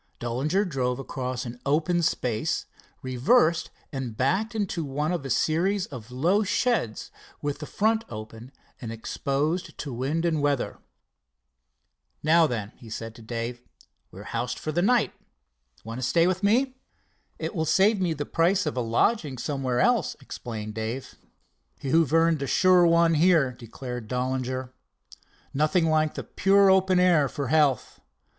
Dollinger drove across an open space, reversed, and backed into one of a series of low sheds with the front open and exposed to wind and weather. "Now then," he said to Dave, "we're housed for the night. Want to stay with me?" "It will save me the price of a lodging somewhere else," explained Dave. "You've earned a sure one here," declared Dollinger. "Nothing like the pure open air for health.